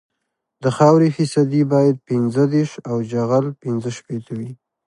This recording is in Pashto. د خاورې فیصدي باید پنځه دېرش او جغل پینځه شپیته وي